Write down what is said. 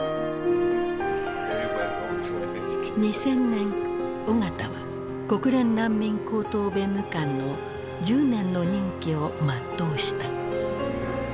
２０００年緒方は国連難民高等弁務官の１０年の任期を全うした。